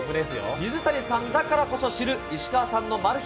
水谷さんだからこそ知る石川さんのマル秘